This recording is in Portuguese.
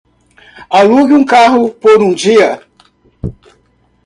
Alugue um carro por um dia